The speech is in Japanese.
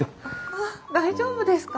あっ大丈夫ですか？